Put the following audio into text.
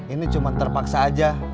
ini cuma terpaksa aja